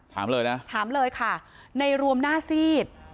ถามเลยนะถามเลยค่ะในรวมหน้าซีด